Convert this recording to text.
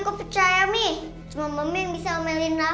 kita cikungan bisa ya batu